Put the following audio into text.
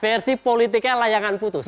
versi politiknya layangan putus